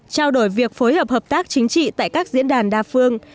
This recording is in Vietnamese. trao đổi việc phối hợp hợp tác chính trị tại các diễn đàn đa phương